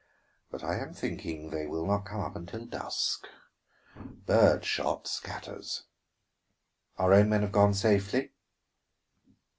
"But I am thinking they will not come up until dusk. Bird shot scatters." "Our own men have gone safely?"